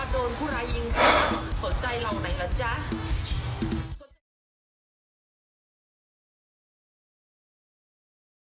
โดนผู้ร้ายยิงเพิ่มสนใจเราไหนล่ะจ๊ะ